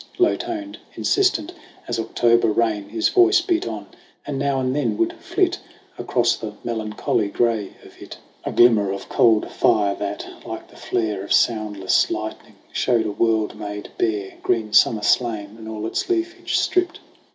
Low toned, insistent as October rain, His voice beat on ; and now and then would flit Across the melancholy gray of it 96 SONG OF HUGH GLASS A glimmer of cold fire that, like the flare Of soundless lightning, showed a world made bare, Green Summer slain and all its leafage stripped.